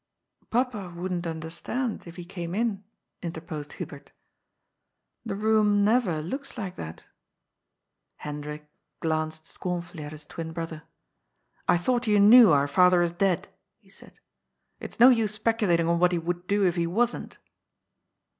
" Papa wouldn^t understand, if he came in," interposed Hubert. " The room never looks like that." Hendrik glanced scornfully at his twin brother. "I thought you knew our father is dead," he said. " It's no use speculating on what he would do if he wasn't."